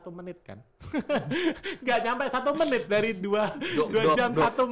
gak nyampe satu menit dari dua jam satu menit kan